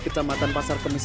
kecamatan pasar kemis